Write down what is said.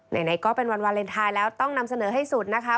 ไหนก็เป็นวันวาเลนไทยแล้วต้องนำเสนอให้สุดนะคะ